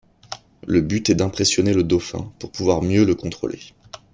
Le but est d'impressionner le dauphin pour pouvoir mieux le contrôler.